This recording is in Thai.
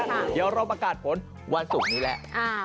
เดี๋ยวเราประกาศผลวันศุกร์นี้แหละ